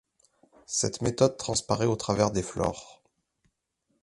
Cette méthode transparait au travers des flores.